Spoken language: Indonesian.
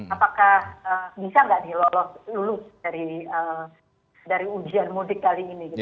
apakah bisa nggak dilulus dari ujian mudik kali ini